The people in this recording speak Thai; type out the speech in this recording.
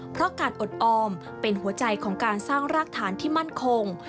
เพราะการอดออมเป็นหัวใจของการสร้างรากฐานที่มั่นคง